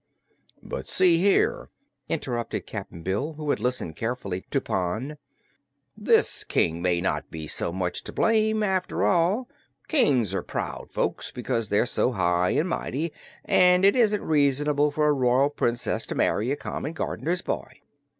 "But, see here," interrupted Cap'n Bill, who had listened carefully to Pon. "This King may not be so much to blame, after all. Kings are proud folks, because they're so high an' mighty, an' it isn't reasonable for a royal Princess to marry a common gardener's boy."